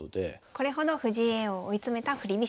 これほど藤井叡王を追い詰めた振り飛車です。